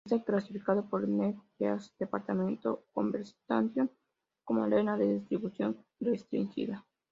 Está clasificado por el New Zealand Department of Conservation, como área de distribución restringida.